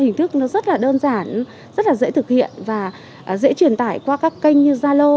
hình thức nó rất là đơn giản rất là dễ thực hiện và dễ truyền tải qua các kênh như zalo